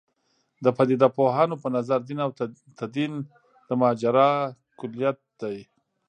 د پدیده پوهانو په نظر دین او تدین د ماجرا کُلیت دی.